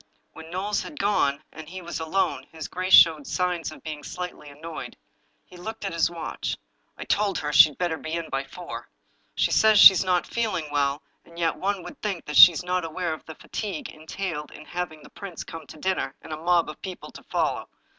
When Knowles had gone, and he was alone, his grace showed signs of being slightly annoyed. He looked at his watch. " I told her she'd better be in by four. She says that she's not feeling well, and yet one would think that she was not aware of the fatigue entailed in having the prince come to dinner, and a mob of people to follow.